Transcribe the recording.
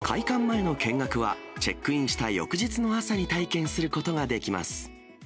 開館前の見学はチェックインした翌日の朝に体験できます。